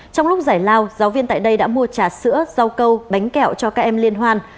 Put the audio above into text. trong lúc giải lao giáo viên tại đây đã mua trà sữa rau câu bánh kẹo cho các em liên hoan